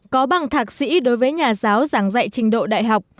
có bằng thạc sĩ đối với nhà giáo giảng dạy trình độ đại học